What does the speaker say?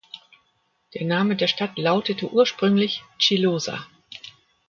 Der Name der Stadt lautete ursprünglich „Chilosa“.